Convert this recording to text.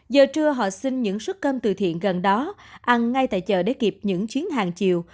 giờ trưa họ sinh những suất cơm từ thiện gần đó ăn ngay tại chợ để kịp những chuyến hàng chiều